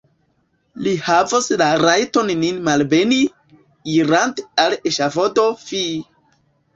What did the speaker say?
Li havos la rajton nin malbeni, irante al eŝafodo: fi!